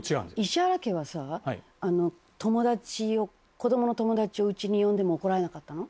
石原家はさ友達を子どもの友達を家に呼んでも怒られなかったの？